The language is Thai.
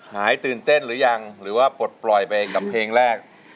หายตื่นเต้นหรือยังหรือว่าปลดปล่อยไปกับเพลงแรก